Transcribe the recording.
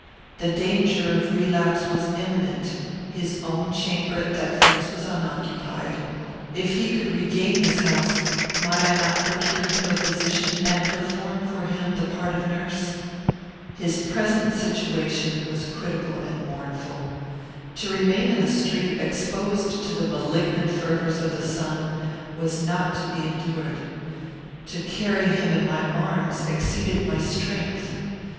The danger of relapse was imminent; his own chamber at Thetford's was unoccupied. If he could regain this house, might I not procure him a physician and perform for him the part of nurse? His present situation was critical and mournful. To remain in the street, exposed to the malignant fervours of the sun, was not to be endured. To carry him in my arms exceeded my strength.